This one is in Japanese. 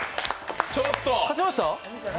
勝ちました？